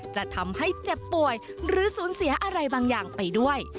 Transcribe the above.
จะทำให้เจ็บป่วยหรือสูญเสียอะไรบางอย่างไปด้วย